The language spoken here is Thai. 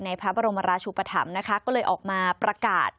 พระบรมราชุปธรรมนะคะก็เลยออกมาประกาศ